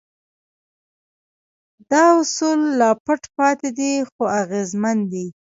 دا اصول لا پټ پاتې دي خو اغېزمن دي.